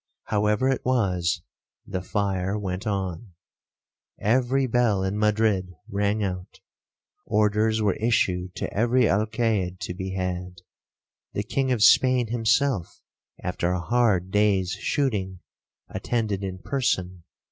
However it was, the fire went on. Every bell in Madrid rang out.—Orders were issued to every Alcaide to be had.—The king of Spain himself, (after a hard day's shooting1), attended in person.